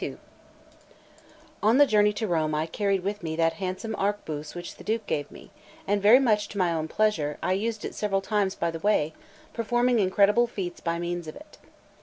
LXXXII ON the journey to Rome I carried with me that handsome arquebuse which the Duke gave me; and very much to my own pleasure, I used it several times by the way, performing incredible feats by means of it.